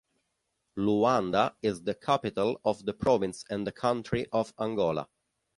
Luanda is the capital of the province and the country of Angola.